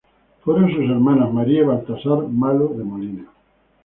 Fueron sus hermanas María y Baltasara Malo de Molina.